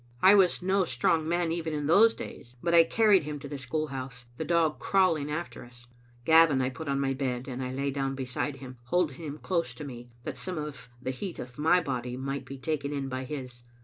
I was no strong man even in those days, but I carried him to the school house, the dog crawling after us. Gavin I put upon my bed, and I lay down beside him, holding him close to me, that some of the heat of my body might be taken in by his.